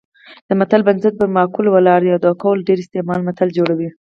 د متل بنسټ پر مقوله ولاړ دی او د قول ډېر استعمال متل جوړوي